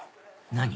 何？